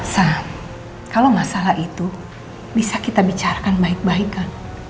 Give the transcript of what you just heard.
sam kalau masalah itu bisa kita bicarakan baik baikan